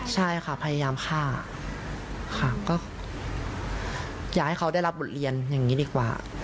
ใช่ค่ะพยายามฆ่าค่ะก็อยากให้เขาได้รับบทเรียนอย่างนี้ดีกว่า